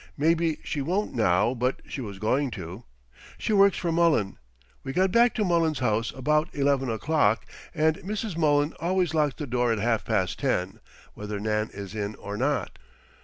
Maybe she won't now, but she was going to. She works for Mullen. We got back to Mullen's house about eleven o'clock, and Mrs. Mullen always locks the door at half past ten, whether Nan is in or not.